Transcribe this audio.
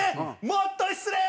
もっと失礼！